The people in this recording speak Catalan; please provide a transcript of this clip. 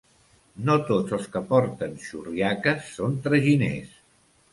No tots els que porten xurriaques són traginers.